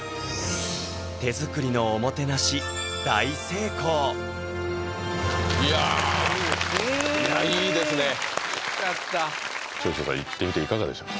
手作りのおもてなし大成功いやいやいいですね長州さん行ってみていかがでしたか？